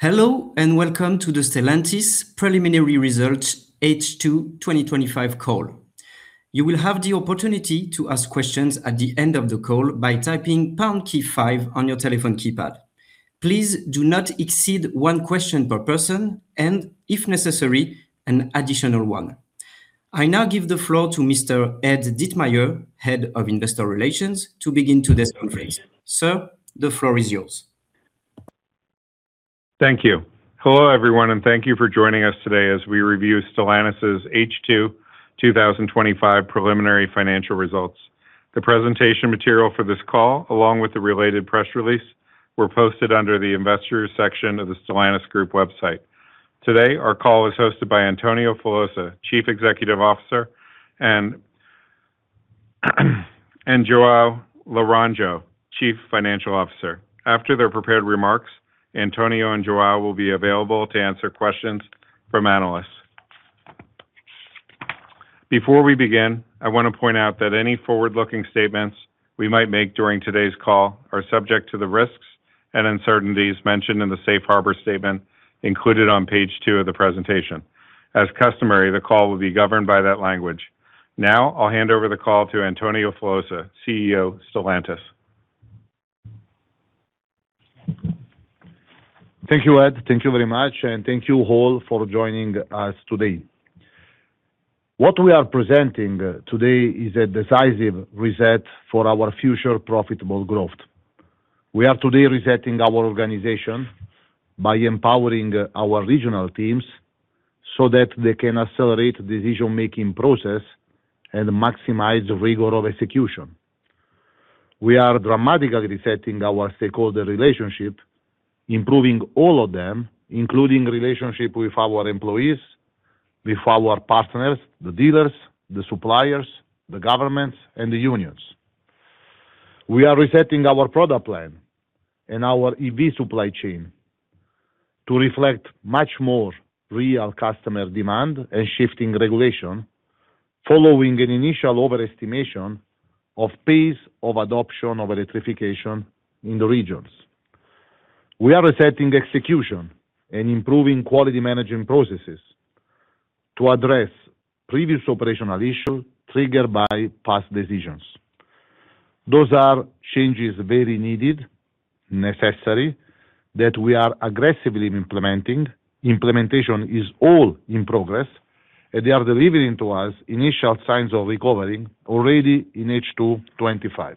Hello and welcome to the Stellantis Preliminary Results H2 2025 call. You will have the opportunity to ask questions at the end of the call by typing pound key five on your telephone keypad. Please do not exceed one question per person, and if necessary, an additional one. I now give the floor to Mr. Ed Ditmire, Head of Investor Relations, to begin today's conference. Sir, the floor is yours. Thank you. Hello everyone, and thank you for joining us today as we review Stellantis's H2 2025 preliminary financial results. The presentation material for this call, along with the related press release, were posted under the Investors section of the Stellantis Group website. Today our call is hosted by Antonio Filosa, Chief Executive Officer, and João Laranjo, Chief Financial Officer. After their prepared remarks, Antonio and João will be available to answer questions from analysts. Before we begin, I want to point out that any forward-looking statements we might make during today's call are subject to the risks and uncertainties mentioned in the Safe Harbor statement included on page two of the presentation. As customary, the call will be governed by that language. Now I'll hand over the call to Antonio Filosa, CEO Stellantis. Thank you, Ed. Thank you very much, and thank you all for joining us today. What we are presenting today is a decisive reset for our future profitable growth. We are today resetting our organization by empowering our regional teams so that they can accelerate decision-making process and maximize rigor of execution. We are dramatically resetting our stakeholder relationship, improving all of them, including relationship with our employees, with our partners, the dealers, the suppliers, the governments, and the unions. We are resetting our product plan and our EV supply chain to reflect much more real customer demand and shifting regulation, following an initial overestimation of pace of adoption of electrification in the regions. We are resetting execution and improving quality management processes to address previous operational issues triggered by past decisions. Those are changes very needed, necessary, that we are aggressively implementing. Implementation is all in progress, and they are delivering to us initial signs of recovery already in H2 2025.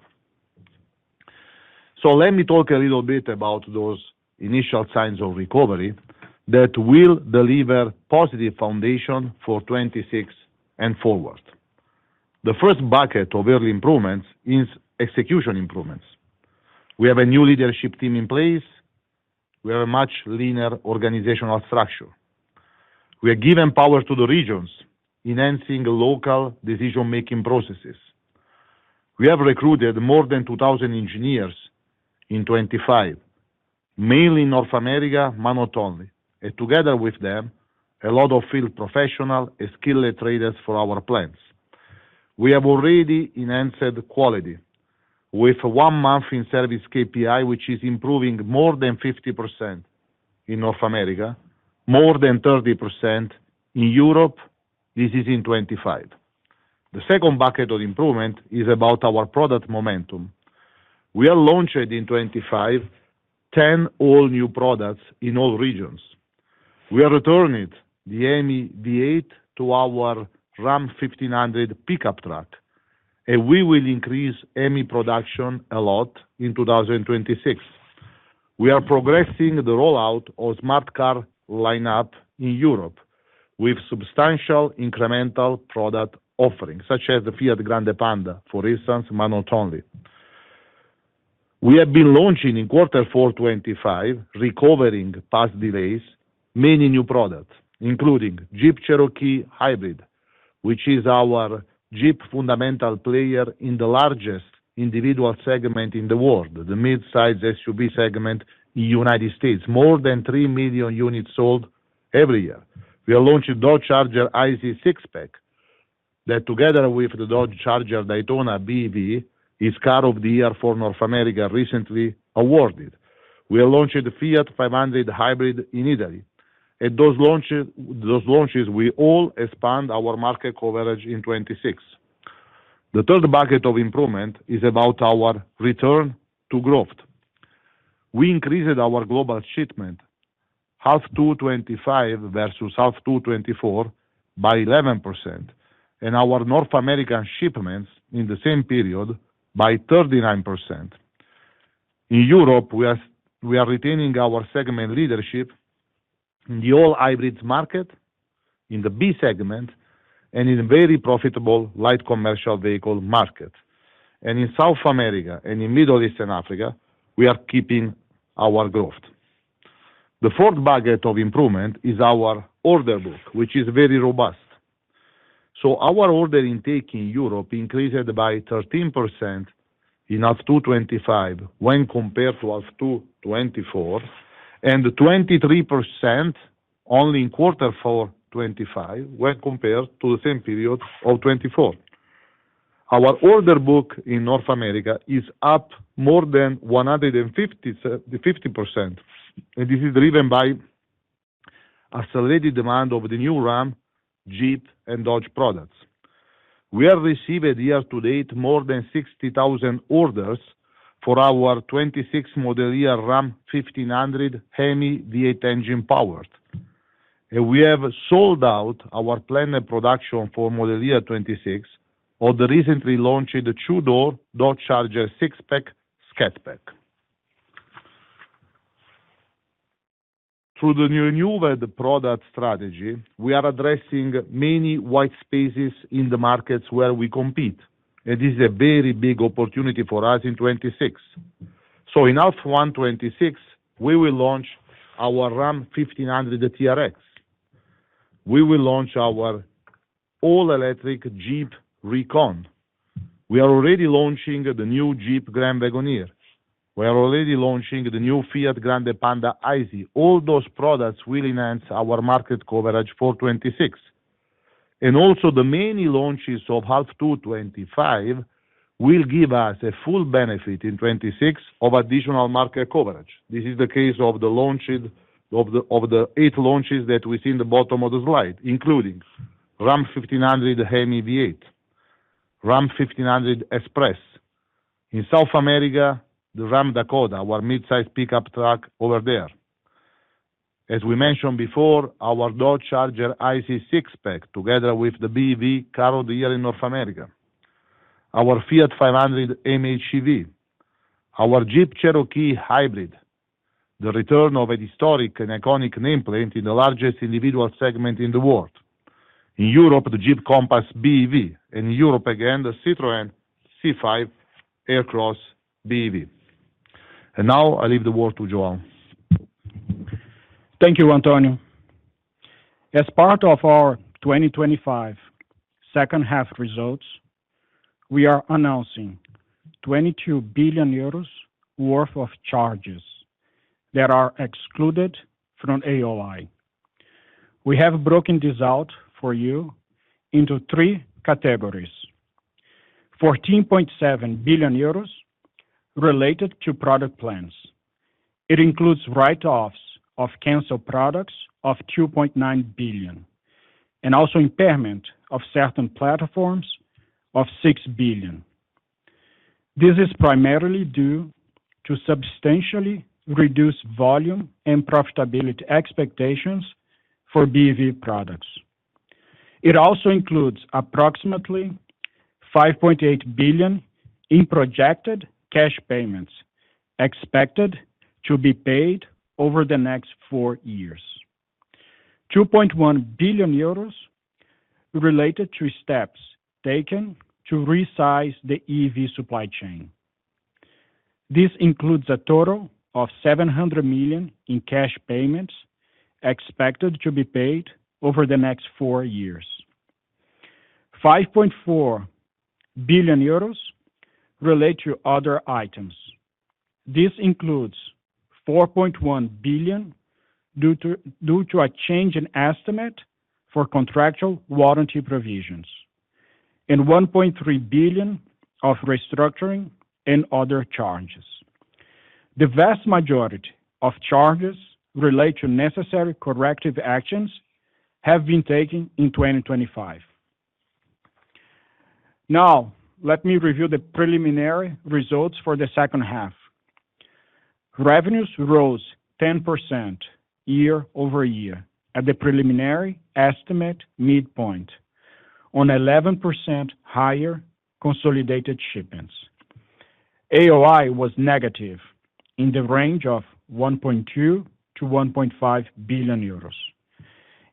So let me talk a little bit about those initial signs of recovery that will deliver positive foundation for 2026 and forward. The first bucket of early improvements is execution improvements. We have a new leadership team in place. We have a much leaner organizational structure. We have given power to the regions, enhancing local decision-making processes. We have recruited more than 2,000 engineers in 2025, mainly in North America, notably, and together with them, a lot of field professionals and skilled trades for our plants. We have already enhanced quality, with one-month in-service KPI, which is improving more than 50% in North America, more than 30% in Europe. This is in 2025. The second bucket of improvement is about our product momentum. We have launched in 2025 10 all-new products in all regions. We have returned the HEMI V8 to our Ram 1500 pickup truck, and we will increase HEMI production a lot in 2026. We are progressing the rollout of the Smart Car lineup in Europe with substantial incremental product offerings, such as the Fiat Grande Panda, for instance, notably. We have been launching in quarter four 2025, recovering past delays, many new products, including Jeep Cherokee Hybrid, which is our Jeep fundamental player in the largest individual segment in the world, the midsize SUV segment in the United States, more than 3 million units sold every year. We have launched the Dodge Charger i6 SIXPACK that, together with the Dodge Charger Daytona BEV, is Car of the Year for North America, recently awarded. We have launched the Fiat 500 Hybrid in Italy. At those launches, we all expand our market coverage in 2026. The third bucket of improvement is about our return to growth. We increased our global shipment, half 2025 versus half 2024, by 11%, and our North American shipments in the same period by 39%. In Europe, we are retaining our segment leadership in the all-hybrids market, in the B segment, and in the very profitable light commercial vehicle market. In South America and in Middle East and Africa, we are keeping our growth. The fourth bucket of improvement is our order book, which is very robust. Our order intake in Europe increased by 13% in half 2025 when compared to half 2024, and 23% only in quarter four 2025 when compared to the same period of 2024. Our order book in North America is up more than 150%, and this is driven by accelerated demand of the new Ram, Jeep, and Dodge products. We have received year-to-date more than 60,000 orders for our 2026 model year Ram 1500 HEMI V8 engine-powered, and we have sold out our planned production for model year 2026 of the recently launched two-door Dodge Charger SIXPACK Scat Pack. Through the renewed product strategy, we are addressing many white spaces in the markets where we compete, and this is a very big opportunity for us in 2026. So in half one 2026, we will launch our Ram 1500 TRX. We will launch our all-electric Jeep Recon. We are already launching the new Jeep Grand Wagoneer. We are already launching the new Fiat Grande Panda IZ. All those products will enhance our market coverage for 2026. And also the many launches of half 2025 will give us a full benefit in 2026 of additional market coverage. This is the case of the eight launches that we see in the bottom of the slide, including Ram 1500 HEMI V8, Ram 1500 Express. In South America, the Ram Dakota, our midsize pickup truck over there. As we mentioned before, our Dodge Charger i6 SIXPACK together with the BEV, Car of the Year in North America. Our Fiat 500 MHEV. Our Jeep Cherokee Hybrid. The return of an historic and iconic nameplate in the largest individual segment in the world. In Europe, the Jeep Compass BEV. And in Europe again, the Citroën C5 Aircross BEV. And now I leave the word to João. Thank you, Antonio. As part of our 2025 second-half results, we are announcing 22 billion euros worth of charges that are excluded from AOI. We have broken this out for you into three categories: 14.7 billion euros related to product plans. It includes write-offs of canceled products of 2.9 billion, and also impairment of certain platforms of 6 billion. This is primarily due to substantially reduced volume and profitability expectations for BEV products. It also includes approximately 5.8 billion in projected cash payments expected to be paid over the next four years. 2.1 billion euros related to steps taken to resize the EV supply chain. This includes a total of 700 million in cash payments expected to be paid over the next four years. 5.4 billion euros relates to other items. This includes 4.1 billion due to a change in estimate for contractual warranty provisions, and 1.3 billion of restructuring and other charges. The vast majority of charges related to necessary corrective actions have been taken in 2025. Now let me review the preliminary results for the second half. Revenues rose 10% year-over-year at the preliminary estimate midpoint, on 11% higher consolidated shipments. AOI was negative in the range of 1.2 billion-1.5 billion euros.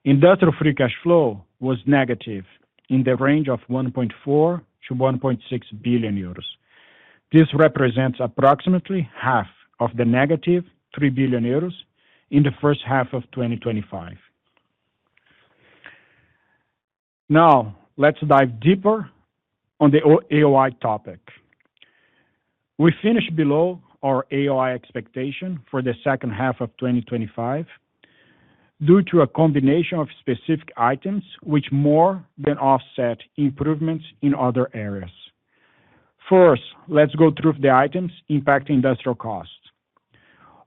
Industrial free cash flow was negative in the range of 1.4 billion-1.6 billion euros. This represents approximately half of the -3 billion euros in the first half of 2025. Now let's dive deeper on the AOI topic. We finished below our AOI expectation for the second half of 2025 due to a combination of specific items which more than offset improvements in other areas. First, let's go through the items impacting industrial costs.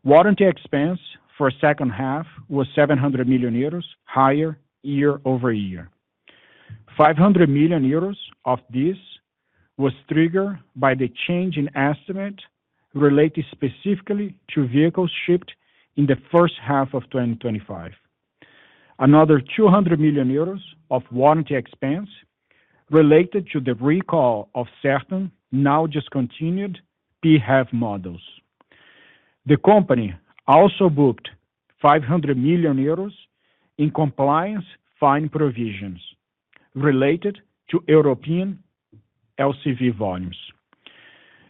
Warranty expense for the second half was 700 million euros higher year-over-year. 500 million euros of this was triggered by the change in estimate related specifically to vehicles shipped in the first half of 2025. Another 200 million euros of warranty expense related to the recall of certain now discontinued PHEV models. The company also booked 500 million euros in compliance fine provisions related to European LCV volumes.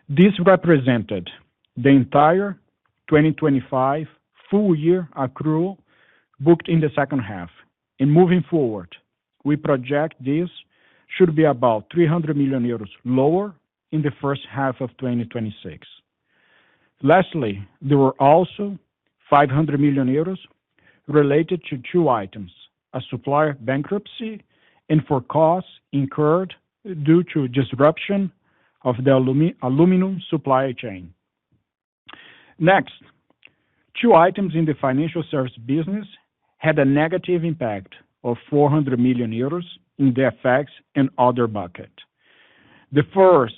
This represented the entire 2025 full-year accrual booked in the second half. Moving forward, we project this should be about 300 million euros lower in the first half of 2026. Lastly, there were also 500 million euros related to two items: a supplier bankruptcy and for costs incurred due to disruption of the aluminum supply chain. Next, two items in the financial service business had a negative impact of 400 million euros in the FX and other bucket. The first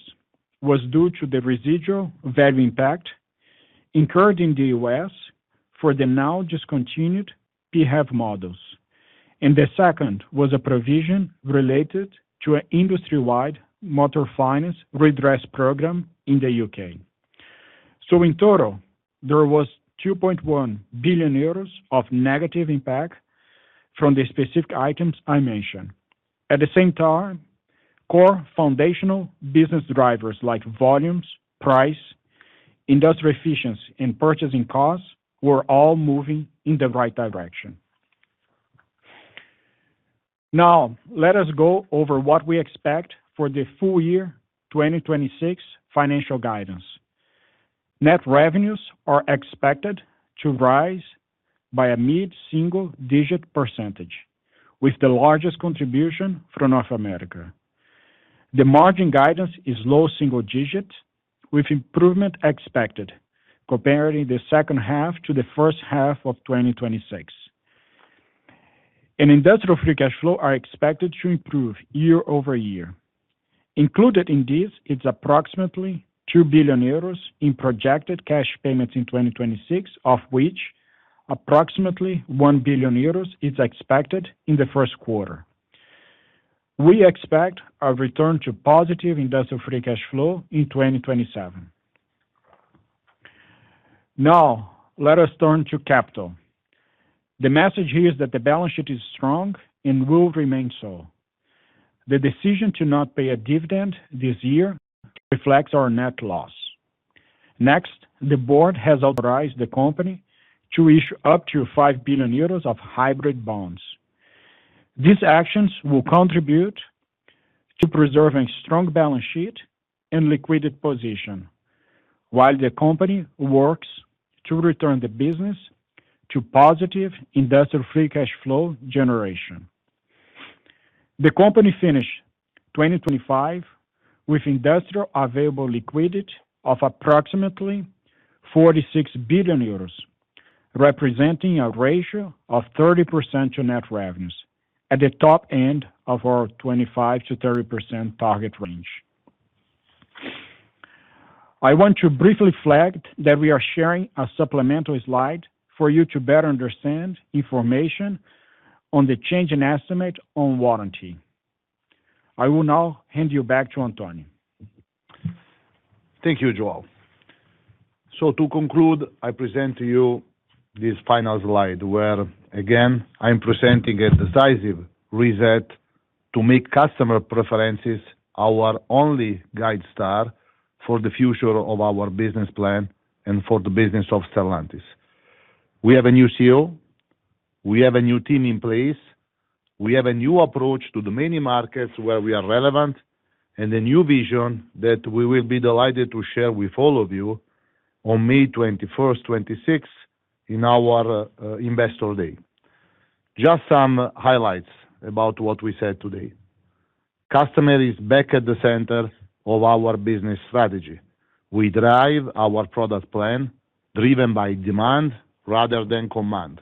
was due to the residual value impact incurred in the U.S. for the now discontinued PHEV models, and the second was a provision related to an industry-wide motor finance redress program in the U.K. So in total, there was 2.1 billion euros of negative impact from the specific items I mentioned. At the same time, core foundational business drivers like volumes, price, industrial efficiency, and purchasing costs were all moving in the right direction. Now let us go over what we expect for the full-year 2026 financial guidance. Net revenues are expected to rise by a mid-single-digit percentage, with the largest contribution from North America. The margin guidance is low single-digit, with improvement expected comparing the second-half to the first-half of 2026. And industrial free cash flow is expected to improve year-over-year. Included in this, it's approximately 2 billion euros in projected cash payments in 2026, of which approximately 1 billion euros is expected in the first quarter. We expect a return to positive Industrial free cash flow in 2027. Now let us turn to capital. The message here is that the balance sheet is strong and will remain so. The decision to not pay a dividend this year reflects our net loss. Next, the Board has authorized the company to issue up to 5 billion euros of hybrid bonds. These actions will contribute to preserving a strong balance sheet and liquidity position, while the company works to return the business to positive industrial free cash flow generation. The company finished 2025 with industrial available liquidity of approximately 46 billion euros, representing a ratio of 30% to net revenues at the top end of our 25%-30% target range. I want to briefly flag that we are sharing a supplemental slide for you to better understand information on the change in estimate on warranty. I will now hand you back to Antonio. Thank you, João. To conclude, I present to you this final slide where, again, I am presenting a decisive reset to make customer preferences our only guide star for the future of our business plan and for the business of Stellantis. We have a new CEO. We have a new team in place. We have a new approach to the many markets where we are relevant, and a new vision that we will be delighted to share with all of you on May 21st, 2026, in our Investor Day. Just some highlights about what we said today. Customer is back at the center of our business strategy. We drive our product plan driven by demand rather than command.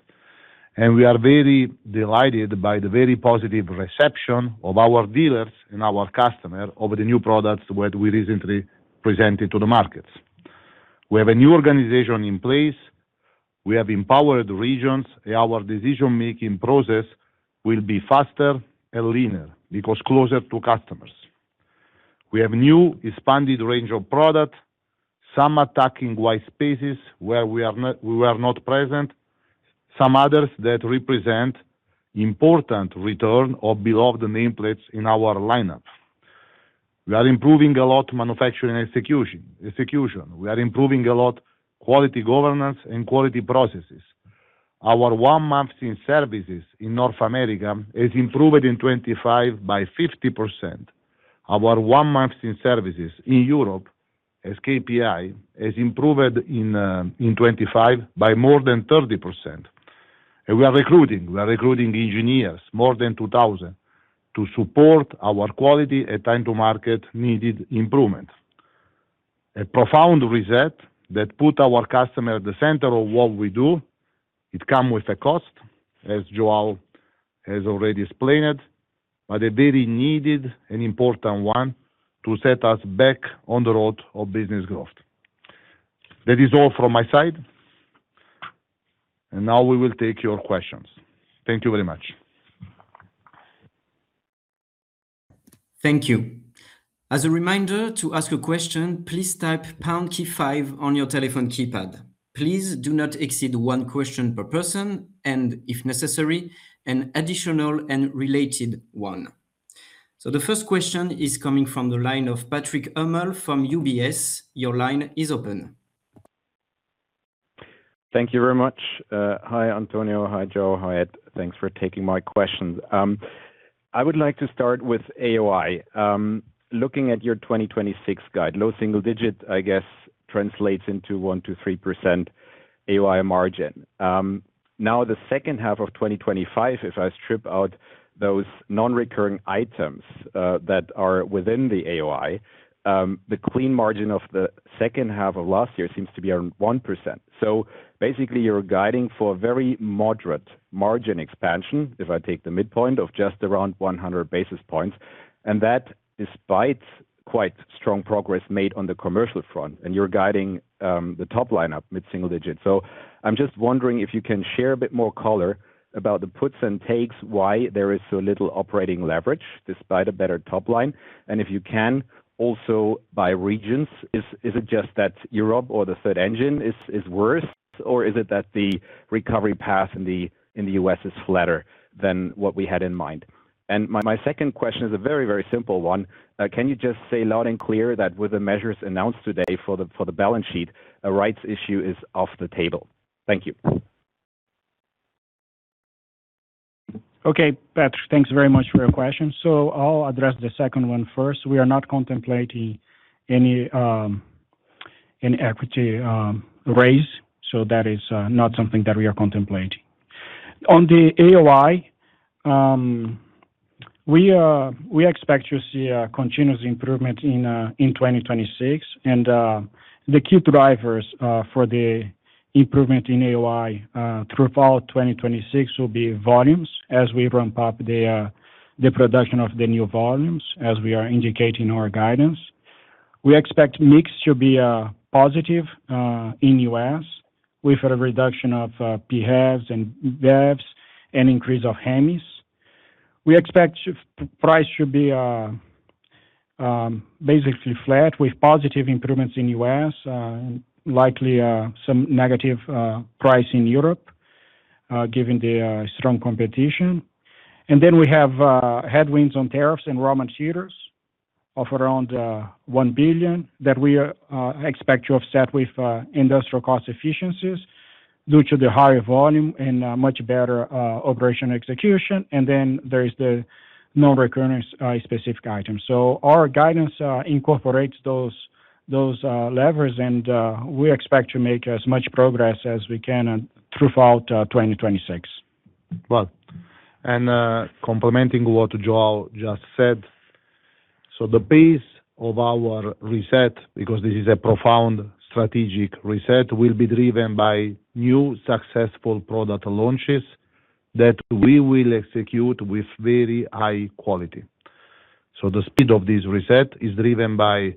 We are very delighted by the very positive reception of our dealers and our customers over the new products that we recently presented to the markets. We have a new organization in place. We have empowered regions, and our decision-making process will be faster and leaner because closer to customers. We have a new expanded range of products, some attacking white spaces where we were not present, some others that represent important return of beloved nameplates in our lineup. We are improving a lot manufacturing execution. We are improving a lot quality governance and quality processes. Our one-month in service in North America has improved in 2025 by 50%. Our one-month in service in Europe, as KPI, has improved in 2025 by more than 30%. We are recruiting. We are recruiting engineers, more than 2,000, to support our quality and time-to-market needed improvement. A profound reset that puts our customers at the center of what we do. It comes with a cost, as João has already explained, but a very needed and important one to set us back on the road of business growth. That is all from my side. Now we will take your questions. Thank you very much. Thank you. As a reminder, to ask a question, please type pound key five on your telephone keypad. Please do not exceed one question per person and, if necessary, an additional and related one. So the first question is coming from the line of Patrick Hummel from UBS. Your line is open. Thank you very much. Hi, Antonio. Hi, João. Hi, Ed. Thanks for taking my questions. I would like to start with AOI. Looking at your 2026 guide, low single-digit, I guess, translates into 1%-3% AOI margin. Now, the second-half of 2025, if I strip out those non-recurring items that are within the AOI, the clean margin of the second-half of last year seems to be around 1%. So basically, you're guiding for a very moderate margin expansion, if I take the midpoint, of just around 100 basis points, and that despite quite strong progress made on the commercial front, and you're guiding the top lineup mid-single-digit. So I'm just wondering if you can share a bit more color about the puts and takes, why there is so little operating leverage despite a better topline, and if you can, also by regions. Is it just that Europe or the Third Engine is worse, or is it that the recovery path in the U.S. is flatter than what we had in mind? And my second question is a very, very simple one. Can you just say loud and clear that with the measures announced today for the balance sheet, a rights issue is off the table? Thank you. Okay, Patrick. Thanks very much for your question. So I'll address the second one first. We are not contemplating any equity raise, so that is not something that we are contemplating. On the AOI, we expect to see continuous improvement in 2026, and the key drivers for the improvement in AOI throughout 2026 will be volumes as we ramp up the production of the new volumes, as we are indicating in our guidance. We expect mix to be positive in the U.S. with a reduction of PHEVs and BEVs and increase of HEMIs. We expect price to be basically flat with positive improvements in the U.S., likely some negative price in Europe given the strong competition. And then we have headwinds on tariffs and raw materials of around 1 billion that we expect to offset with industrial cost efficiencies due to the higher volume and much better operational execution. Then there is the non-recurring specific items. Our guidance incorporates those levers, and we expect to make as much progress as we can throughout 2026. Well. And complementing what João just said, so the pace of our reset, because this is a profound strategic reset, will be driven by new successful product launches that we will execute with very high quality. So the speed of this reset is driven by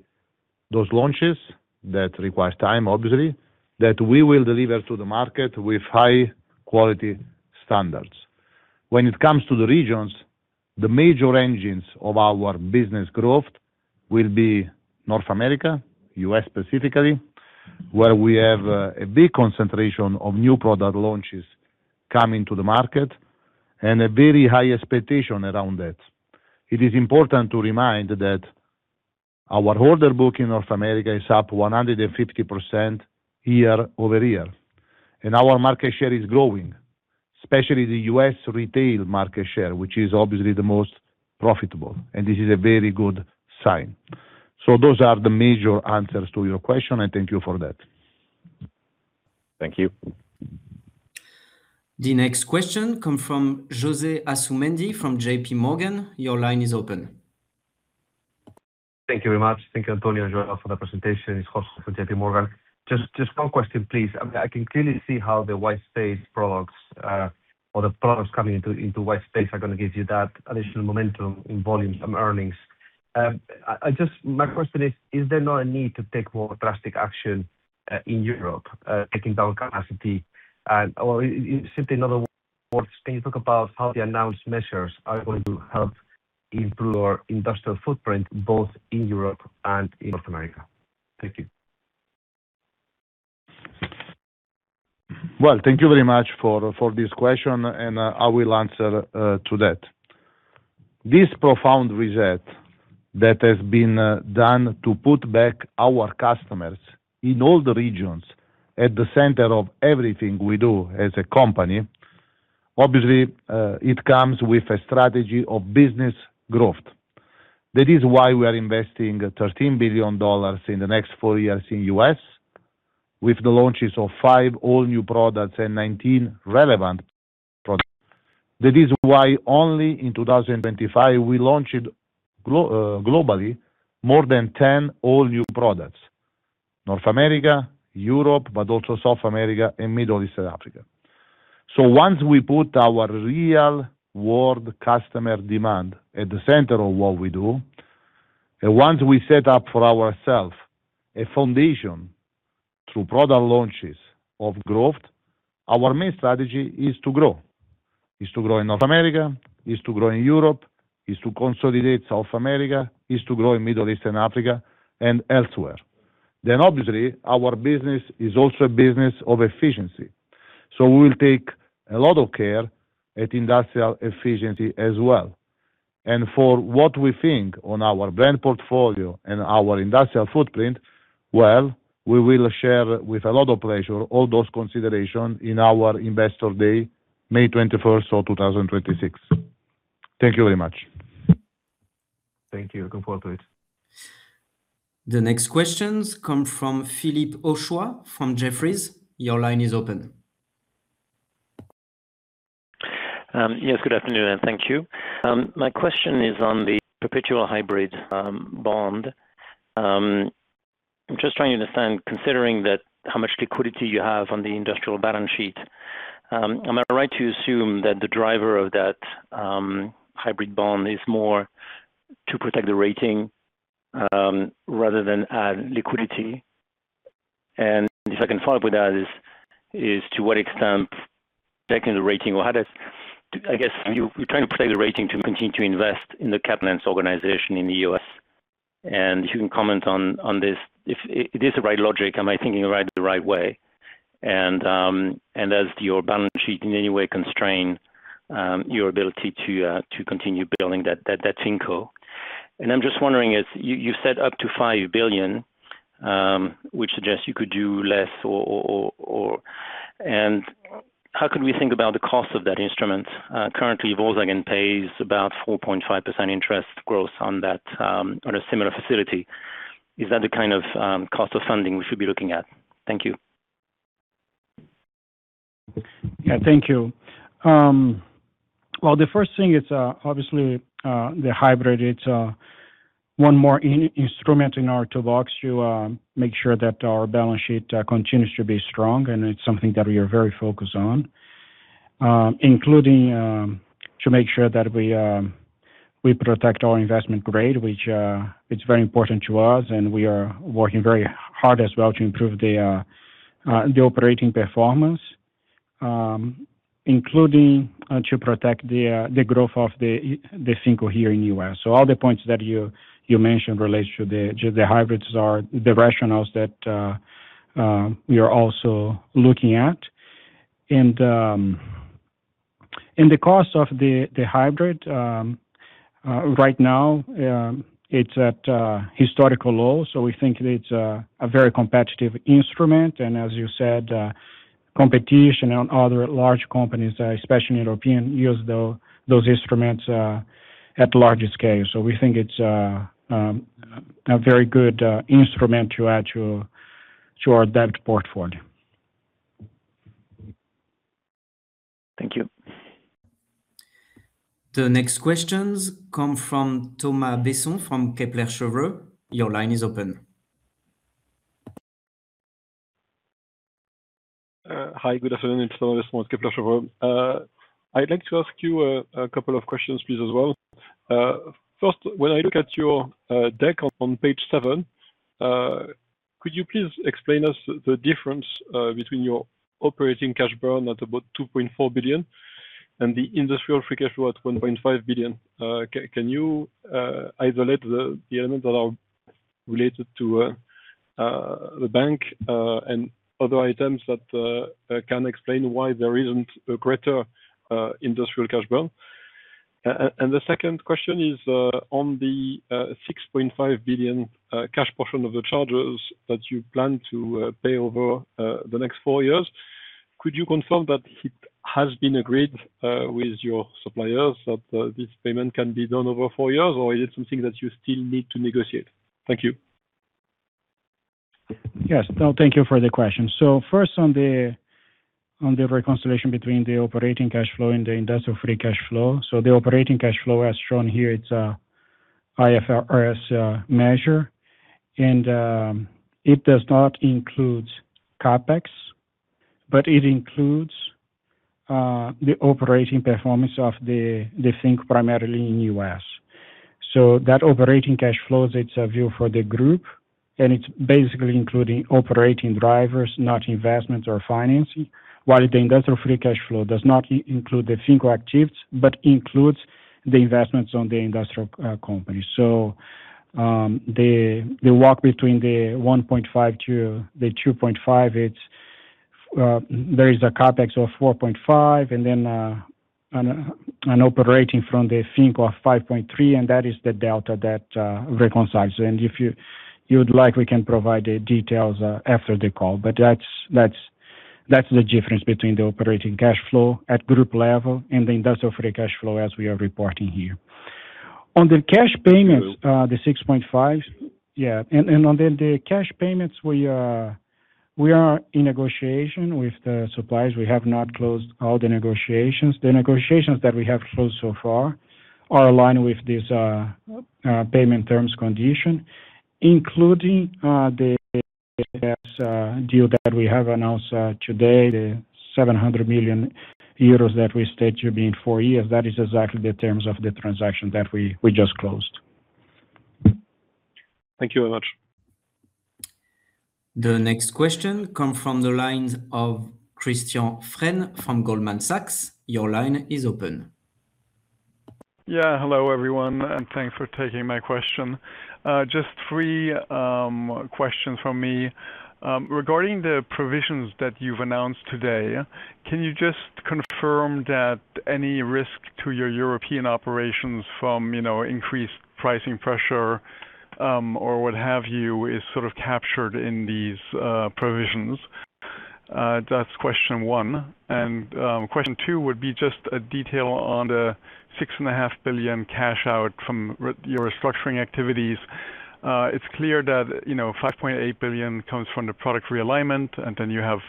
those launches that require time, obviously, that we will deliver to the market with high-quality standards. When it comes to the regions, the major engines of our business growth will be North America, U.S. specifically, where we have a big concentration of new product launches coming to the market and a very high expectation around that. It is important to remind that our order book in North America is up 150% year-over-year, and our market share is growing, especially the U.S. retail market share, which is obviously the most profitable, and this is a very good sign. Those are the major answers to your question, and thank you for that. Thank you. The next question comes from José Asumendi from JPMorgan. Your line is open. Thank you very much. Thank you, Antonio and João, for the presentation. It's hosted from JPMorgan. Just one question, please. I can clearly see how the white space products or the products coming into white space are going to give you that additional momentum in volumes and earnings. My question is, is there not a need to take more drastic action in Europe, taking down capacity, or simply another word? Can you talk about how the announced measures are going to help improve your industrial footprint both in Europe and in North America? Thank you. Well, thank you very much for this question, and I will answer to that. This profound reset that has been done to put back our customers in all the regions at the center of everything we do as a company, obviously, it comes with a strategy of business growth. That is why we are investing $13 billion in the next four years in the U.S. with the launches of five all-new products and 19 relevant products. That is why only in 2025, we launched globally more than 10 all-new products: North America, Europe, but also South America and Middle East and Africa. So once we put our real-world customer demand at the center of what we do, and once we set up for ourselves a foundation through product launches of growth, our main strategy is to grow. It's to grow in North America, it's to grow in Europe, it's to consolidate South America, it's to grow in Middle East and Africa and elsewhere. Then, obviously, our business is also a business of efficiency. So we will take a lot of care at industrial efficiency as well. For what we think on our brand portfolio and our industrial footprint, well, we will share with a lot of pleasure all those considerations in our Investor Day, May 21st, 2026. Thank you very much. Thank you. Looking forward to it. The next questions come from Philippe Houchois from Jefferies. Your line is open. Yes, good afternoon, and thank you. My question is on the perpetual hybrid bond. I'm just trying to understand, considering how much liquidity you have on the industrial balance sheet, am I right to assume that the driver of that hybrid bond is more to protect the rating rather than add liquidity? And if I can follow up with that, is, to what extent protecting the rating or how does, I guess, you're trying to protect the rating to continue to invest in the CapEx organization in the U.S.? And if you can comment on this, if it is the right logic, am I thinking about it the right way? And does your balance sheet in any way constrain your ability to continue building that Finco? And I'm just wondering, you've set up to 5 billion, which suggests you could do less. How could we think about the cost of that instrument? Currently, Volkswagen pays about 4.5% interest growth on a similar facility. Is that the kind of cost of funding we should be looking at? Thank you. Yeah, thank you. Well, the first thing is, obviously, the hybrid, it's one more instrument in our toolbox to make sure that our balance sheet continues to be strong, and it's something that we are very focused on, including to make sure that we protect our investment grade, which is very important to us, and we are working very hard as well to improve the operating performance, including to protect the growth of the Finco here in the U.S. So all the points that you mentioned relate to the hybrids, the rationales that we are also looking at. And the cost of the hybrid, right now, it's at historical lows, so we think that it's a very competitive instrument. And as you said, competition and other large companies, especially in Europe, use those instruments at largest scale. We think it's a very good instrument to add to our debt portfolio. Thank you. The next questions come from Thomas Besson from Kepler Cheuvreux. Your line is open. Hi, good afternoon. It's Thomas Besson with Kepler Cheuvreux. I'd like to ask you a couple of questions, please, as well. First, when I look at your deck on page 7, could you please explain to us the difference between your operating cash burn at about 2.4 billion and the industrial free cash flow at 1.5 billion? Can you isolate the elements that are related to the bank and other items that can explain why there isn't a greater industrial cash burn? And the second question is, on the 6.5 billion cash portion of the charges that you plan to pay over the next four years, could you confirm that it has been agreed with your suppliers that this payment can be done over four years, or is it something that you still need to negotiate? Thank you. Yes. No, thank you for the question. So first, on the reconciliation between the operating cash flow and the industrial free cash flow, so the operating cash flow, as shown here, it's an IFRS measure, and it does not include CapEx, but it includes the operating performance of the Finco primarily in the U.S. So that operating cash flows, it's a view for the group, and it's basically including operating drivers, not investments or financing, while the industrial free cash flow does not include the Finco activities but includes the investments on the industrial companies. So the walk between the 1.5 billion-2.5 billion, there is a CapEx of 4.5 billion and then an operating from the Finco of 5.3 billion, and that is the delta that reconciles. If you'd like, we can provide the details after the call, but that's the difference between the operating cash flow at group level and the industrial free cash flow as we are reporting here. On the cash payments, the 6.5 billion, yeah, and on the cash payments, we are in negotiation with the suppliers. We have not closed all the negotiations. The negotiations that we have closed so far are aligned with this payment terms condition, including the U.S. deal that we have announced today. The 700 million euros that we state to be in four years, that is exactly the terms of the transaction that we just closed. Thank you very much. The next question comes from the line of Christian Frenes from Goldman Sachs. Your line is open. Yeah, hello, everyone, and thanks for taking my question. Just three questions from me. Regarding the provisions that you've announced today, can you just confirm that any risk to your European operations from increased pricing pressure or what have you is sort of captured in these provisions? That's question one. And question two would be just a detail on the 6.5 billion cash out from your restructuring activities. It's clear that 5.8 billion comes from the product realignment, and then you have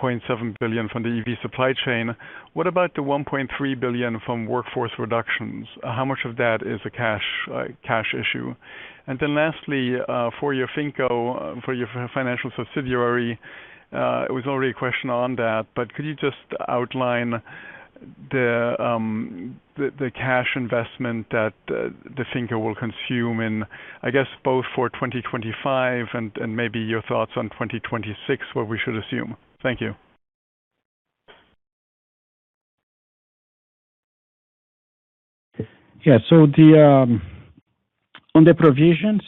0.7 billion from the EV supply chain. What about the 1.3 billion from workforce reductions? How much of that is a cash issue? Then lastly, for your Finco, for your financial subsidiary, it was already a question on that, but could you just outline the cash investment that the Finco will consume in, I guess, both for 2025 and maybe your thoughts on 2026, what we should assume? Thank you. Yeah. So on the provisions,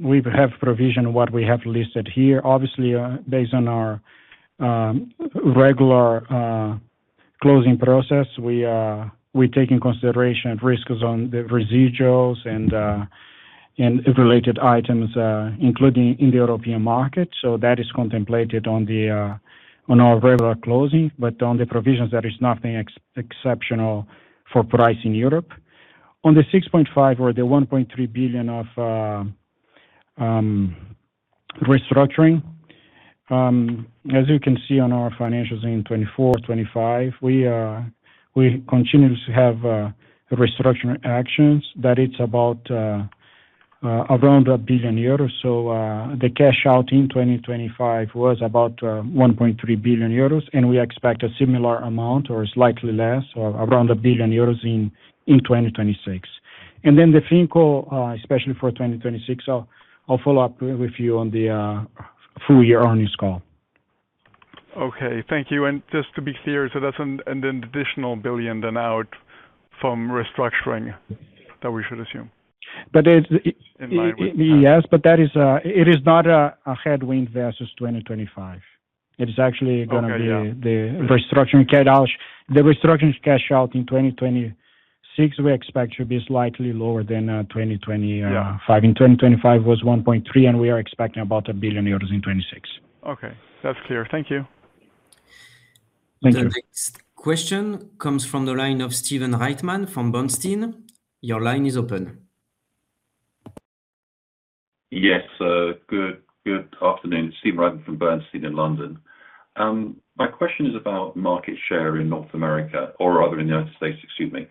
we have provisioned what we have listed here. Obviously, based on our regular closing process, we take into consideration risks on the residuals and related items, including in the European market. So that is contemplated on our regular closing, but on the provisions, there is nothing exceptional for price in Europe. On the 6.5 billion or the 1.3 billion of restructuring, as you can see on our financials in 2024, 2025, we continue to have restructuring actions that it's about around 1 billion euros. So the cash out in 2025 was about 1.3 billion euros, and we expect a similar amount or slightly less, around 1 billion euros in 2026. And then the Finco, especially for 2026, I'll follow up with you on the full-year earnings call. Okay. Thank you. And just to be clear, so that's an additional 1 billion then out from restructuring that we should assume in line with. Yes, but it is not a headwind versus 2025. It is actually going to be the restructuring cash out in 2026, we expect to be slightly lower than 2025. In 2025, it was 1.3 billion, and we are expecting about 1 billion euros in 2026. Okay. That's clear. Thank you. Thank you. The next question comes from the line of Stephen Reitman from Bernstein. Your line is open. Yes. Good afternoon. Stephen Reitman from Bernstein in London. My question is about market share in North America or rather in the United States, excuse me.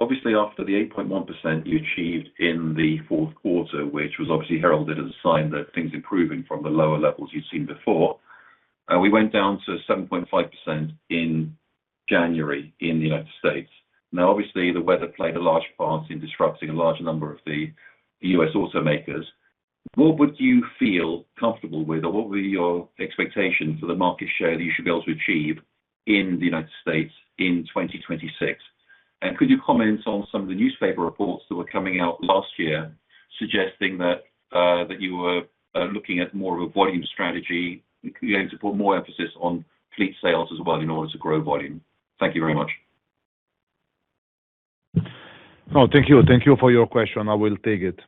Obviously, after the 8.1% you achieved in the fourth quarter, which was obviously heralded as a sign that things improving from the lower levels you'd seen before, we went down to 7.5% in January in the United States. Now, obviously, the weather played a large part in disrupting a large number of the U.S. automakers. What would you feel comfortable with, or what would be your expectation for the market share that you should be able to achieve in the United States in 2026? Could you comment on some of the newspaper reports that were coming out last year suggesting that you were looking at more of a volume strategy, going to put more emphasis on fleet sales as well in order to grow volume? Thank you very much. Oh, thank you. Thank you for your question. I will take it.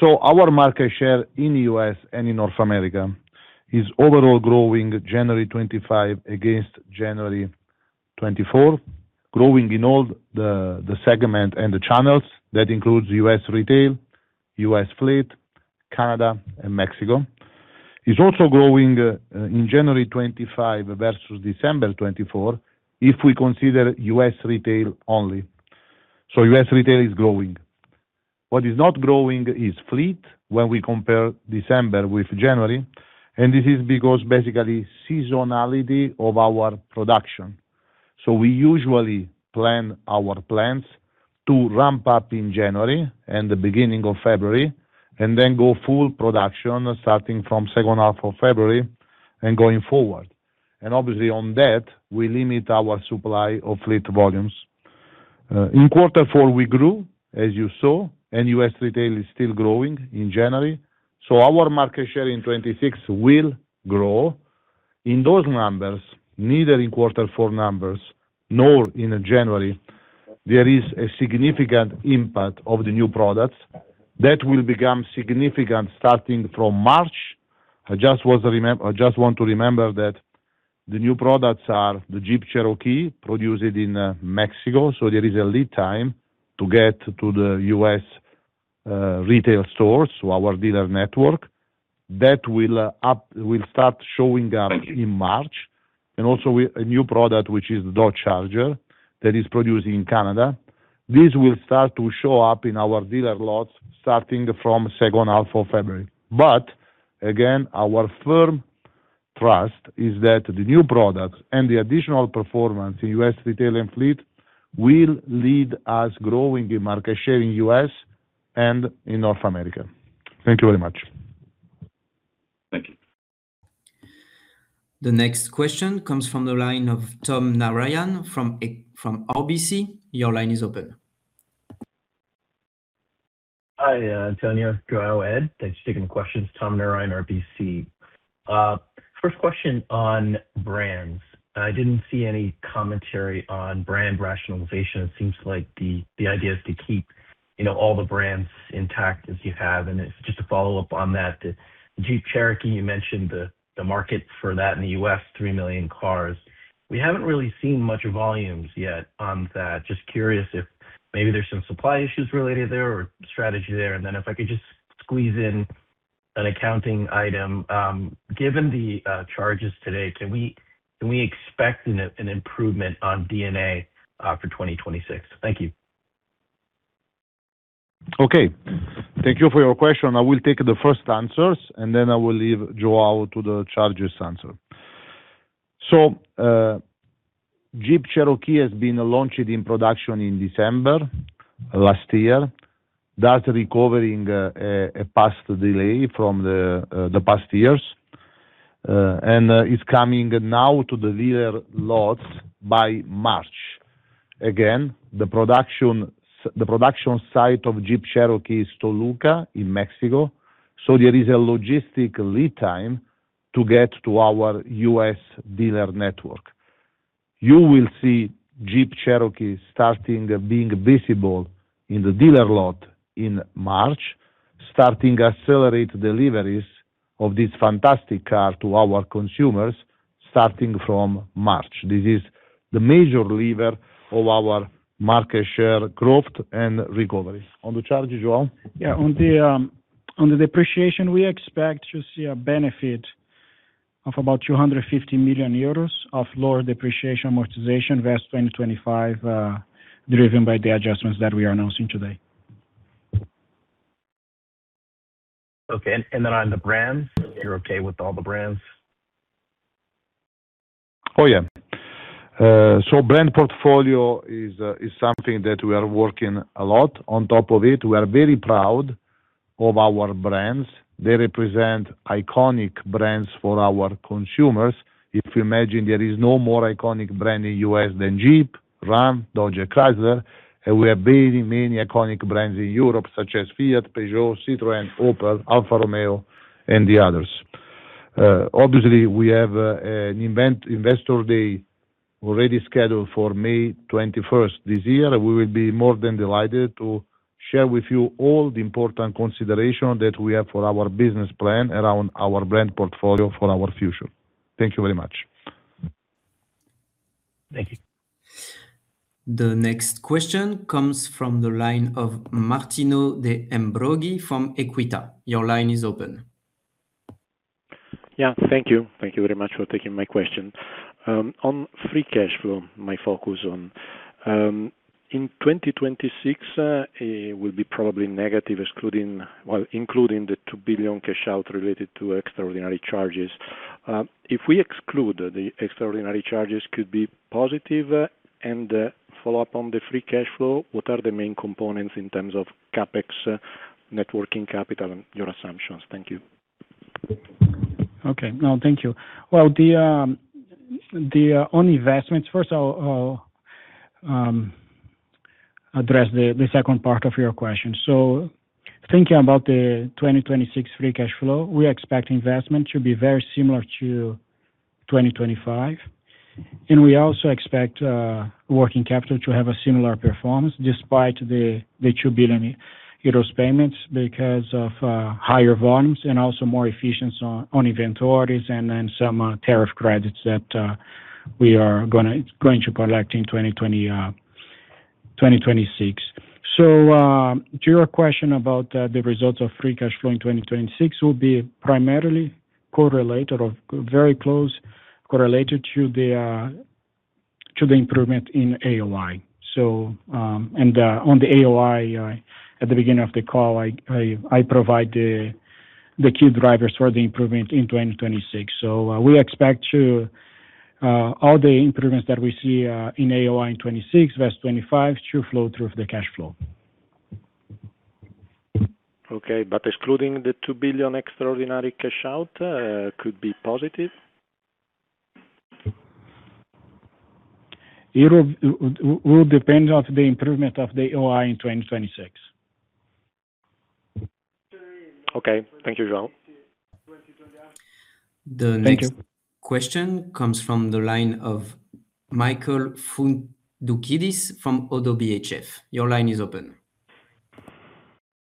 So our market share in the U.S. and in North America is overall growing January 2025 against January 2024, growing in all the segments and the channels. That includes U.S. retail, U.S. fleet, Canada, and Mexico. It's also growing in January 2025 versus December 2024 if we consider U.S. retail only. So U.S. retail is growing. What is not growing is fleet when we compare December with January, and this is because basically seasonality of our production. So we usually plan our plans to ramp up in January and the beginning of February and then go full production starting from second half of February and going forward. And obviously, on that, we limit our supply of fleet volumes. In quarter four, we grew, as you saw, and U.S. retail is still growing in January. Our market share in 2026 will grow. In those numbers, neither in quarter four numbers nor in January, there is a significant impact of the new products. That will become significant starting from March. I just want to remember that the new products are the Jeep Cherokee produced in Mexico, so there is a lead time to get to the U.S. retail stores, so our dealer network. That will start showing up in March. Also a new product, which is the Dodge Charger that is produced in Canada. This will start to show up in our dealer lots starting from second half of February. Again, our firm trust is that the new products and the additional performance in U.S. retail and fleet will lead us growing in market share in the U.S. and in North America. Thank you very much. Thank you. The next question comes from the line of Tom Narayan from RBC. Your line is open. Hi, Antonio, João, Ed. Thanks for taking the questions. Tom Narayan, RBC. First question on brands. I didn't see any commentary on brand rationalization. It seems like the idea is to keep all the brands intact as you have. Just to follow up on that, the Jeep Cherokee, you mentioned the market for that in the U.S., 3 million cars. We haven't really seen much volumes yet on that. Just curious if maybe there's some supply issues related there or strategy there. Then if I could just squeeze in an accounting item, given the charges today, can we expect an improvement on D&A for 2026? Thank you. Okay. Thank you for your question. I will take the first answers, and then I will leave João to the Charger's answer. So Jeep Cherokee has been launched in production in December last year. That's recovering a past delay from the past years, and it's coming now to the dealer lots by March. Again, the production site of Jeep Cherokee is Toluca in Mexico, so there is a logistic lead time to get to our U.S. dealer network. You will see Jeep Cherokee starting being visible in the dealer lot in March, starting to accelerate deliveries of this fantastic car to our consumers starting from March. This is the major lever of our market share growth and recovery. On the Charger's, João? Yeah. On the depreciation, we expect to see a benefit of about 250 million euros of lower depreciation amortization versus 2025 driven by the adjustments that we are announcing today. Okay. And then on the brands, you're okay with all the brands? Oh, yeah. So brand portfolio is something that we are working a lot on top of it. We are very proud of our brands. They represent iconic brands for our consumers. If you imagine, there is no more iconic brand in the U.S. than Jeep, Ram, Dodge, and Chrysler, and we have many, many iconic brands in Europe such as Fiat, Peugeot, Citroën, Opel, Alfa Romeo, and the others. Obviously, we have an Investor Day already scheduled for May 21st this year, and we will be more than delighted to share with you all the important considerations that we have for our business plan around our brand portfolio for our future. Thank you very much. Thank you. The next question comes from the line of Martino De Ambroggi from Equita. Your line is open. Yeah. Thank you. Thank you very much for taking my question. On free cash flow, my focus on, in 2026, it will be probably negative including the 2 billion cash out related to extraordinary charges. If we exclude the extraordinary charges, could it be positive? And follow up on the free cash flow, what are the main components in terms of CapEx, working capital, and your assumptions? Thank you. Okay. No, thank you. Well, on investments, first, I'll address the second part of your question. So thinking about the 2026 free cash flow, we expect investment to be very similar to 2025, and we also expect working capital to have a similar performance despite the 2 billion euros payments because of higher volumes and also more efficiency on inventories and then some tariff credits that we are going to collect in 2026. So to your question about the results of free cash flow in 2026, it will be primarily correlated or very close correlated to the improvement in AOI. And on the AOI, at the beginning of the call, I provide the key drivers for the improvement in 2026. So we expect all the improvements that we see in AOI in 2026 versus 2025 to flow through the cash flow. Okay. But excluding the 2 billion extraordinary cash out, could it be positive? It will depend on the improvement of the AOI in 2026. Okay. Thank you, João. The next question comes from the line of Michael Foundoukidis from Oddo BHF. Your line is open.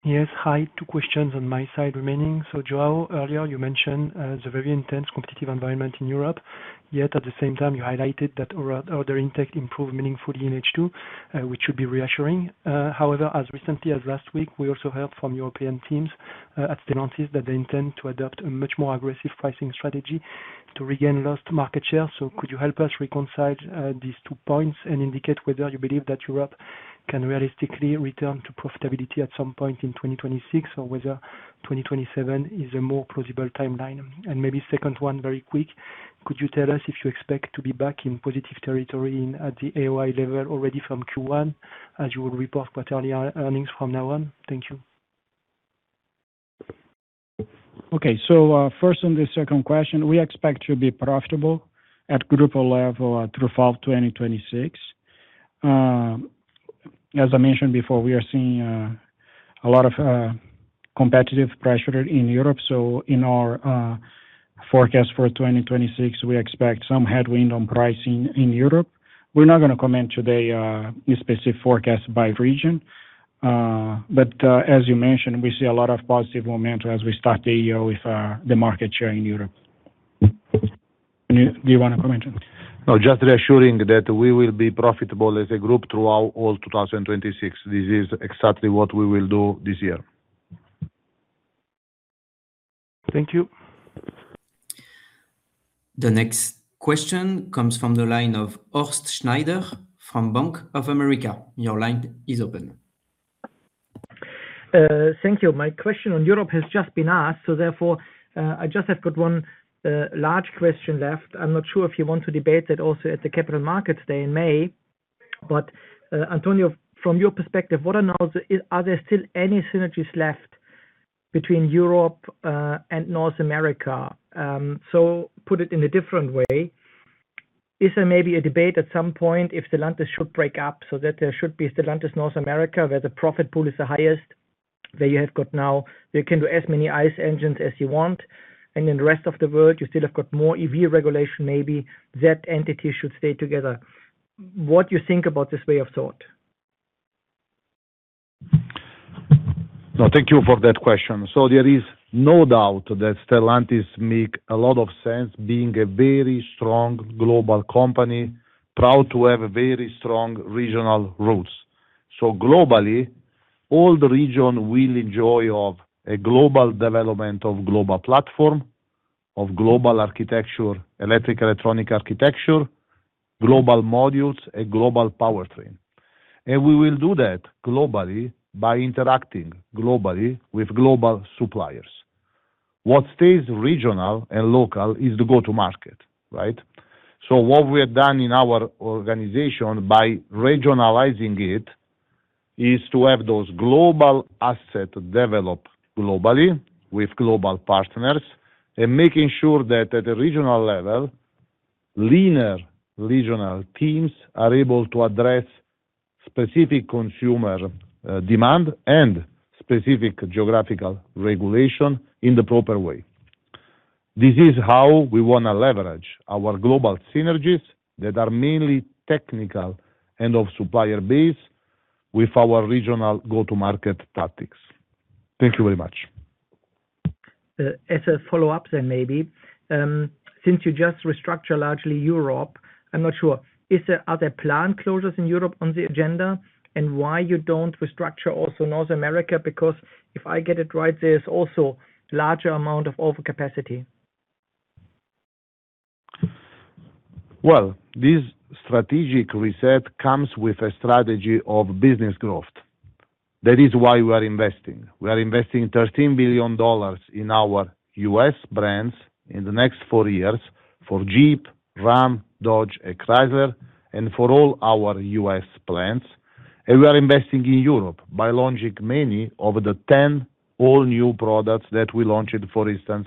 Yes. Hi. Two questions on my side remaining. So João, earlier, you mentioned the very intense competitive environment in Europe, yet at the same time, you highlighted that order intake improved meaningfully in H2, which should be reassuring. However, as recently as last week, we also heard from European teams at Stellantis that they intend to adopt a much more aggressive pricing strategy to regain lost market share. So could you help us reconcile these two points and indicate whether you believe that Europe can realistically return to profitability at some point in 2026 or whether 2027 is a more plausible timeline? And maybe second one, very quick, could you tell us if you expect to be back in positive territory at the AOI level already from Q1 as you will report quarterly earnings from now on? Thank you. Okay. So first on the second question, we expect to be profitable at group level through fall 2026. As I mentioned before, we are seeing a lot of competitive pressure in Europe. So in our forecast for 2026, we expect some headwind on pricing in Europe. We're not going to comment today on a specific forecast by region. But as you mentioned, we see a lot of positive momentum as we start the year with the market share in Europe. Do you want to comment on? No, just reassuring that we will be profitable as a group throughout all 2026. This is exactly what we will do this year. Thank you. The next question comes from the line of Horst Schneider from Bank of America. Your line is open. Thank you. My question on Europe has just been asked, so therefore, I just have got one large question left. I'm not sure if you want to debate that also at the Capital Markets Day in May. But Antonio, from your perspective, are there still any synergies left between Europe and North America? So put it in a different way, is there maybe a debate at some point if Stellantis should break up so that there should be Stellantis North America where the profit pool is the highest where you have got now you can do as many ICE engines as you want, and in the rest of the world, you still have got more EV regulation, maybe that entity should stay together? What do you think about this way of thought? No, thank you for that question. So there is no doubt that Stellantis makes a lot of sense being a very strong global company, proud to have very strong regional roots. So globally, all the region will enjoy a global development of global platform, of global architecture, electric electronic architecture, global modules, a global powertrain. And we will do that globally by interacting globally with global suppliers. What stays regional and local is the go-to-market, right? So what we have done in our organization by regionalizing it is to have those global assets develop globally with global partners and making sure that at a regional level, leaner regional teams are able to address specific consumer demand and specific geographical regulation in the proper way. This is how we want to leverage our global synergies that are mainly technical and of supplier base with our regional go-to-market tactics. Thank you very much. As a follow-up then maybe, since you just restructure largely Europe, I'm not sure, are there planned closures in Europe on the agenda and why you don't restructure also North America? Because if I get it right, there is also a larger amount of overcapacity. Well, this strategic reset comes with a strategy of business growth. That is why we are investing. We are investing $13 billion in our U.S. brands in the next four years for Jeep, Ram, Dodge, and Chrysler, and for all our U.S. plants. We are investing in Europe by launching many of the 10 all-new products that we launched, for instance,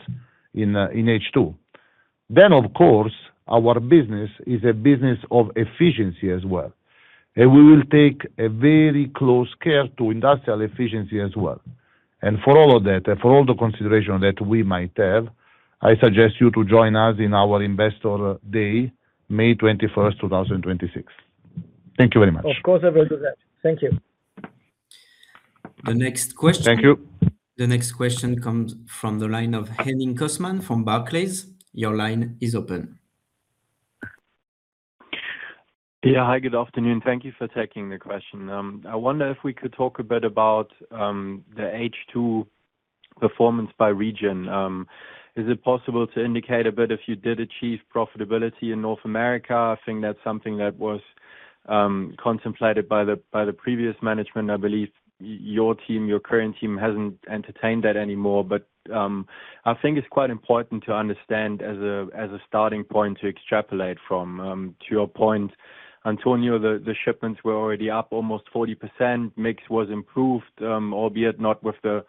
in H2. Then, of course, our business is a business of efficiency as well, and we will take a very close care to industrial efficiency as well. For all of that, for all the consideration that we might have, I suggest you join us in our Investor Day, May 21st, 2026. Thank you very much. Of course, I will do that. Thank you. The next question. Thank you. The next question comes from the line of Henning Cosman from Barclays. Your line is open. Yeah. Hi. Good afternoon. Thank you for taking the question. I wonder if we could talk a bit about the H2 performance by region. Is it possible to indicate a bit if you did achieve profitability in North America? I think that's something that was contemplated by the previous management. I believe your team, your current team, hasn't entertained that anymore. But I think it's quite important to understand as a starting point to extrapolate from. To your point, Antonio, the shipments were already up almost 40%. Mix was improved, albeit not with the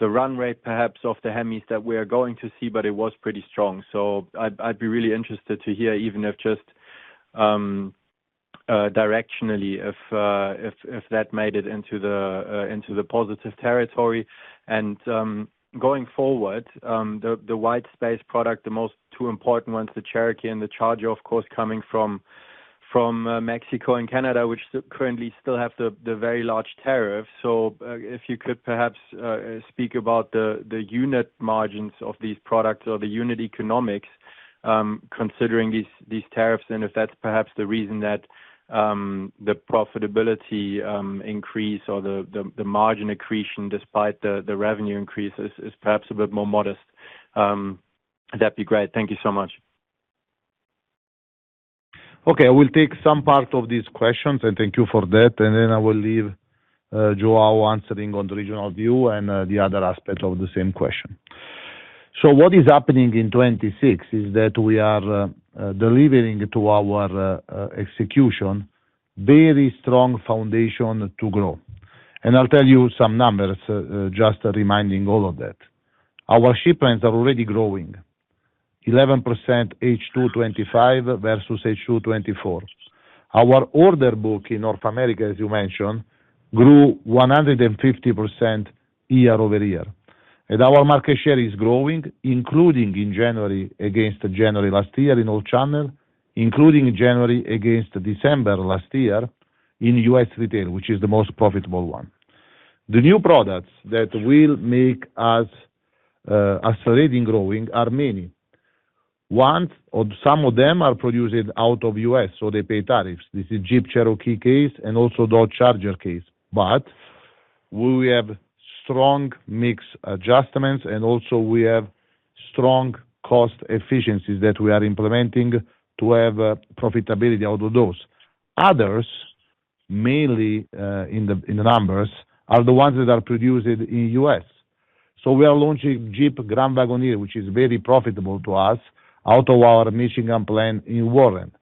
run rate perhaps of the HEMIs that we are going to see, but it was pretty strong. So I'd be really interested to hear even if just directionally if that made it into the positive territory. Going forward, the widespaced product, the two important ones, the Cherokee and the Charger, of course, coming from Mexico and Canada, which currently still have the very large tariffs. So if you could perhaps speak about the unit margins of these products or the unit economics considering these tariffs, and if that's perhaps the reason that the profitability increase or the margin accretion despite the revenue increase is perhaps a bit more modest, that'd be great. Thank you so much. Okay. I will take some part of these questions, and thank you for that. Then I will leave João answering on the regional view and the other aspect of the same question. So what is happening in 2026 is that we are delivering to our execution a very strong foundation to grow. And I'll tell you some numbers just reminding all of that. Our shipments are already growing, 11% H2 2025 versus H2 2024. Our order book in North America, as you mentioned, grew 150% year-over-year. And our market share is growing, including in January against January last year in all channel, including January against December last year in U.S. retail, which is the most profitable one. The new products that will make us really growing are many. Some of them are produced out of the U.S., so they pay tariffs. This is Jeep Cherokee case and also Dodge Charger case. But we have strong mix adjustments, and also we have strong cost efficiencies that we are implementing to have profitability out of those. Others, mainly in the numbers, are the ones that are produced in the U.S. So we are launching Jeep Grand Wagoneer, which is very profitable to us out of our Michigan plant in Warren.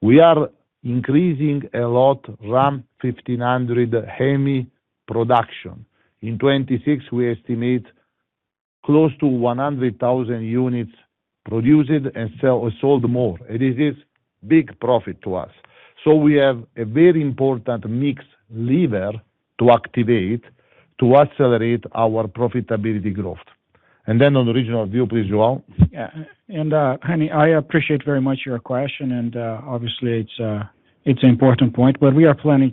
We are increasing a lot Ram 1500 HEMI production. In 2026, we estimate close to 100,000 units produced and sold more. And this is big profit to us. So we have a very important mix lever to activate to accelerate our profitability growth. Then on the regional view, please, João. Yeah. Henning, I appreciate very much your question, and obviously, it's an important point. We are planning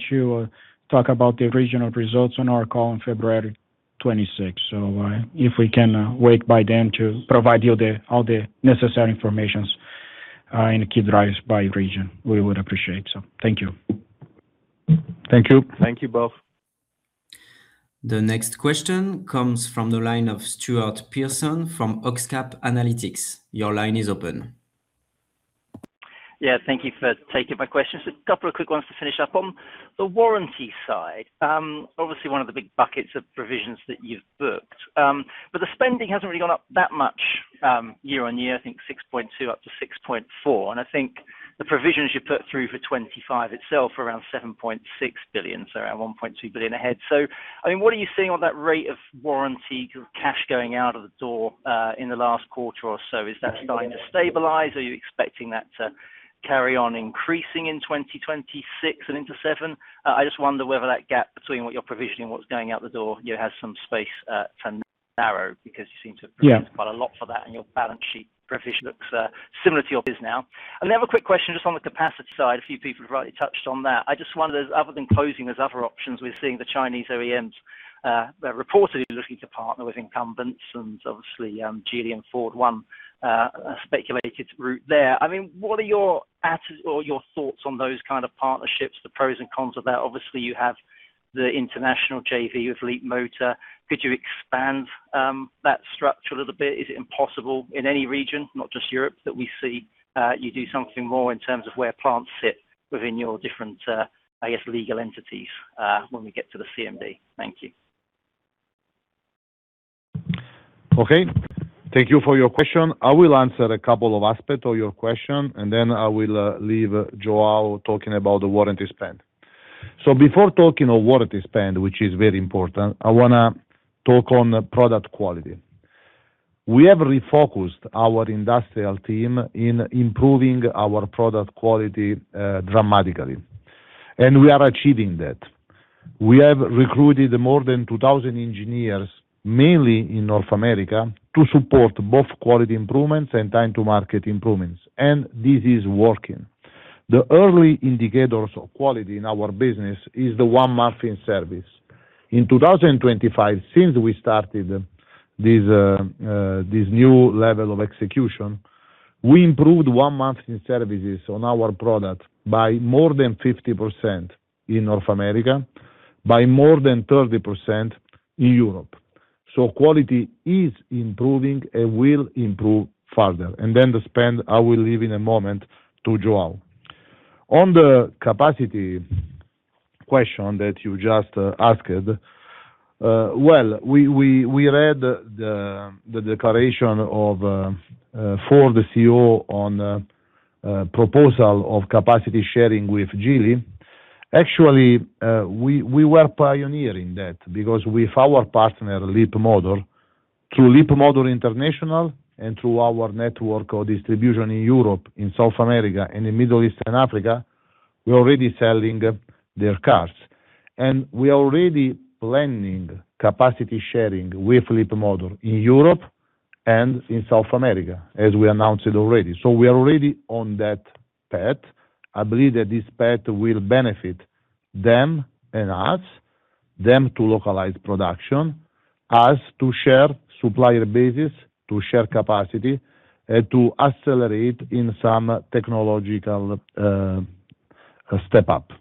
to talk about the regional results on our call on February 26th. If we can wait by then to provide you all the necessary information in key drives by region, we would appreciate it. Thank you. Thank you. Thank you both. The next question comes from the line of Stuart Pearson from Oxcap Analytics. Your line is open. Yeah. Thank you for taking my questions. A couple of quick ones to finish up on. The warranty side, obviously, one of the big buckets of provisions that you've booked. But the spending hasn't really gone up that much year-over-year, I think 6.2 up to 6.4. And I think the provisions you put through for 2025 itself are around 7.6 billion, so around 1.2 billion ahead. So I mean, what are you seeing on that rate of warranty cash going out of the door in the last quarter or so? Is that starting to stabilize? Are you expecting that to carry on increasing in 2026 and into 2027? I just wonder whether that gap between what you're provisioning and what's going out the door has some space to narrow because you seem to have provisioned quite a lot for that, and your balance sheet provision looks similar to your business now. And then have a quick question just on the capacity side. A few people have already touched on that. I just wonder, other than closing, there's other options. We're seeing the Chinese OEMs reportedly looking to partner with incumbents and obviously, Geely and Ford, one speculated route there. I mean, what are your thoughts on those kind of partnerships, the pros and cons of that? Obviously, you have the international JV with Leapmotor. Could you expand that structure a little bit? Is it impossible in any region, not just Europe, that we see you do something more in terms of where plants sit within your different, I guess, legal entities when we get to the CMD? Thank you. Okay. Thank you for your question. I will answer a couple of aspects of your question, and then I will leave João talking about the warranty spend. So before talking of warranty spend, which is very important, I want to talk on product quality. We have refocused our industrial team in improving our product quality dramatically, and we are achieving that. We have recruited more than 2,000 engineers, mainly in North America, to support both quality improvements and time-to-market improvements, and this is working. The early indicators of quality in our business is the one-month in service. In 2025, since we started this new level of execution, we improved one-month in service on our product by more than 50% in North America, by more than 30% in Europe. So quality is improving and will improve further. And then the spend, I will leave in a moment to João. On the capacity question that you just asked, well, we read the declaration for the CEO on proposal of capacity sharing with Geely. Actually, we were pioneering that because with our partner Leapmotor, through Leapmotor International and through our network of distribution in Europe, in South America, and in the Middle East and Africa, we're already selling their cars. And we are already planning capacity sharing with Leapmotor in Europe and in South America, as we announced it already. So we are already on that path. I believe that this path will benefit them and us, them to localize production, us to share supplier bases, to share capacity, and to accelerate in some technological step-up.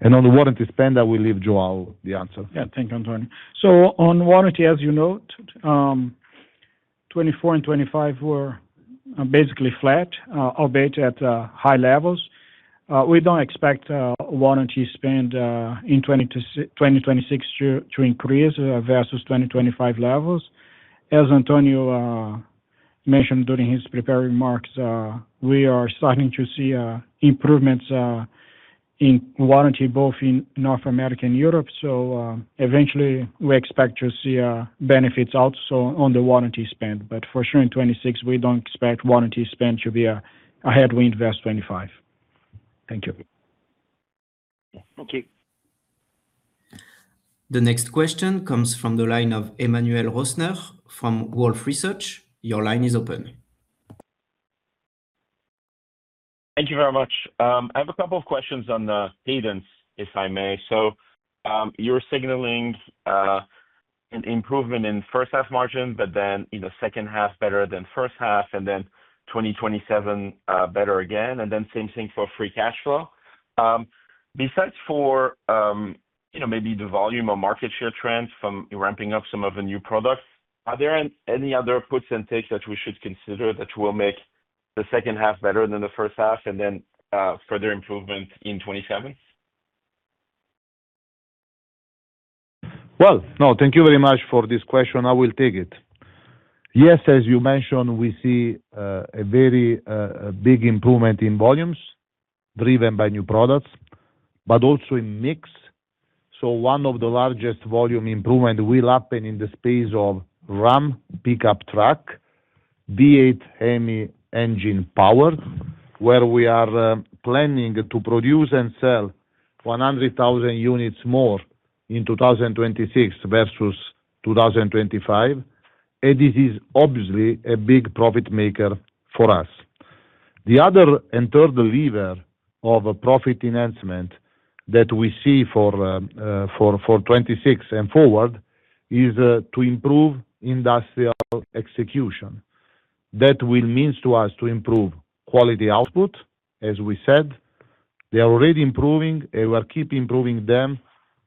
And on the warranty spend, I will leave João the answer. Yeah. Thank you, Antonio. So on warranty, as you note, 2024 and 2025 were basically flat, albeit at high levels. We don't expect warranty spend in 2026 to increase versus 2025 levels. As Antonio mentioned during his prepared remarks, we are starting to see improvements in warranty both in North America and Europe. So eventually, we expect to see benefits also on the warranty spend. But for sure, in 2026, we don't expect warranty spend to be ahead of in 2025. Thank you. Thank you. The next question comes from the line of Emmanuel Rosner from Wolfe Research. Your line is open. Thank you very much. I have a couple of questions on the cadence, if I may. So you're signaling an improvement in first-half margin, but then in the second half better than first half, and then 2027 better again, and then same thing for free cash flow. Besides for maybe the volume or market share trends from ramping up some of the new products, are there any other puts and takes that we should consider that will make the second half better than the first half and then further improvement in 2027? Well, no. Thank you very much for this question. I will take it. Yes, as you mentioned, we see a very big improvement in volumes driven by new products, but also in mix. So one of the largest volume improvements will happen in the space of Ram pickup truck, V8 HEMI engine power, where we are planning to produce and sell 100,000 units more in 2026 versus 2025. And this is obviously a big profit maker for us. The other and third lever of profit enhancement that we see for 2026 and forward is to improve industrial execution. That will mean to us to improve quality output, as we said. They are already improving, and we are keeping improving them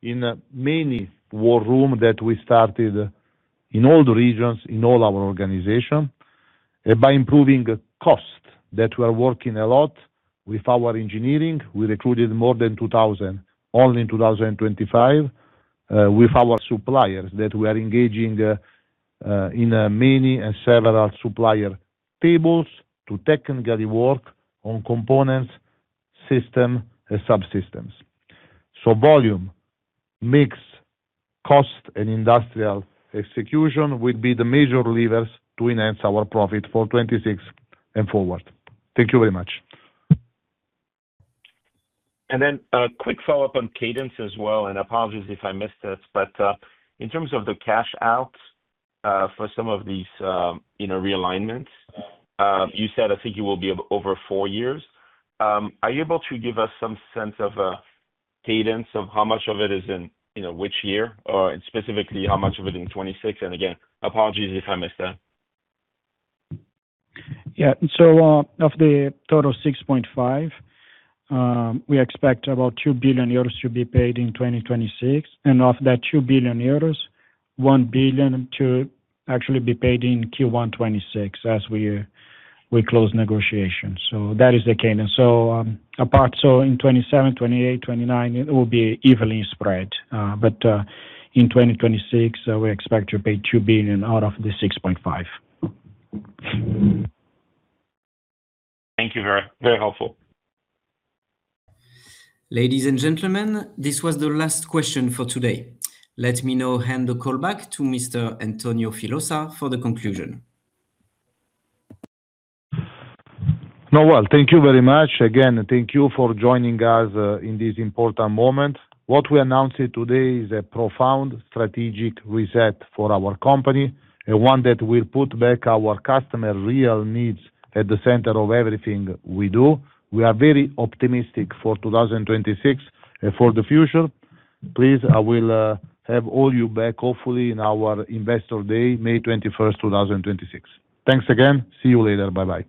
in many war rooms that we started in all the regions in all our organization. And by improving cost, that we are working a lot with our engineering. We recruited more than 2,000 only in 2025 with our suppliers that we are engaging in many and several supplier tables to technically work on components, systems, and subsystems. Volume, mix, cost, and industrial execution will be the major levers to enhance our profit for 2026 and forward. Thank you very much. Then a quick follow-up on cadence as well, and apologies if I missed it. In terms of the cash out for some of these realignments, you said I think it will be over four years. Are you able to give us some sense of cadence of how much of it is in which year or specifically how much of it in 2026? Again, apologies if I missed that. Yeah. So of the total 6.5 billion, we expect about 2 billion euros to be paid in 2026. And of that 2 billion euros, 1 billion to actually be paid in Q1 2026 as we close negotiations. So that is the cadence. So in 2027, 2028, 2029, it will be evenly spread. But in 2026, we expect to pay 2 billion out of the 6.5 billion. Thank you. Very helpful. Ladies and gentlemen, this was the last question for today. Let me now hand the call back to Mr. Antonio Filosa for the conclusion. No worries. Thank you very much. Again, thank you for joining us in this important moment. What we announced today is a profound strategic reset for our company, one that will put back our customer real needs at the center of everything we do. We are very optimistic for 2026 and for the future. Please, I will have all you back, hopefully, in our Investor Day, May 21st, 2026. Thanks again. See you later. Bye-bye.